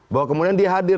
bahwa kemudian dia hadir